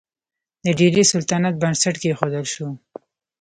د ډیلي سلطنت بنسټ کیښودل شو.